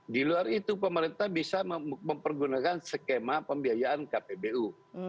di luar itu pemerintah bisa mempergunakan skema pembiayaan kpbu